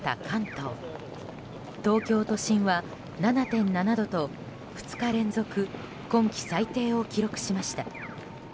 東京都心は７．７度と２日連続今季最低を記録しました。